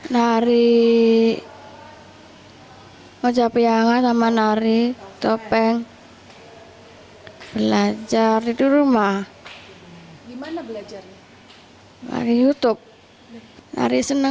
nari hai ucap yang sama nari topeng belajar di rumah gimana belajar lagi youtube hari senang